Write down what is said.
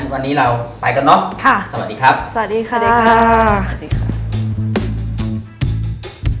วันนี้เราไปก่อนเนาะ